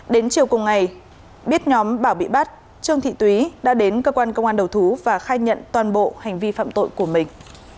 đến chiều cùng ngày biết nhóm bảo bị bắt trương thị túy đã đến cơ quan công an đầu thú và khai nhận toàn bộ hành vi phạm tội của mình